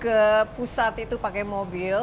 ke pusat itu pakai mobil